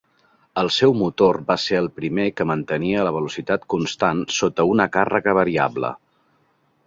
El seu motor va ser el primer que mantenia la velocitat constant sota una càrrega variable.